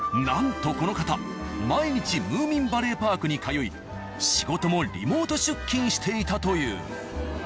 なんとこの方毎日ムーミンバレーパークに通い仕事もリモート出勤していたという。